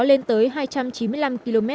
lên tới hai trăm chín mươi năm km